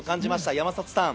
山里さん。